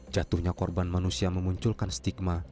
jatuhnya korban manusia memunculkan stigma